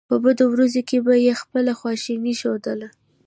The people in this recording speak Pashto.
په بدو ورځو کې به یې خپله خواشیني ښودله.